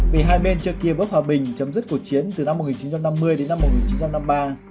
vì hai bên cho kia bớp hòa bình chấm dứt cuộc chiến từ năm một nghìn chín trăm năm mươi đến năm một nghìn chín trăm năm mươi ba